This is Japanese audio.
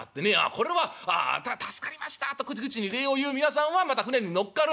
『これは助かりました』と口々に礼を言う皆さんはまた船に乗っかる。